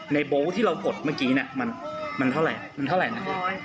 โบ๊ทที่เรากดเมื่อกี้มันเท่าไหร่มันเท่าไหร่นะ